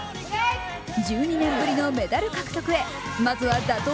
１２年ぶりのメダル獲得へまずは打倒